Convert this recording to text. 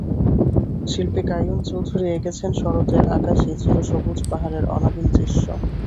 শিল্পী কাইয়ুম চৌধুরী এঁকেছেন শরতের আকাশে চির সবুজ পাহাড়ের অনাবিল দৃশ্য।